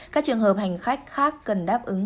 các trường hợp hành khách khác cần đáp ứng